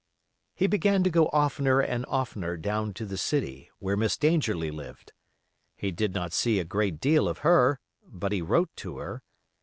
He began to go oftener and oftener down to the City, where Miss Dangerlie lived. He did not see a great deal of her; but he wrote to her.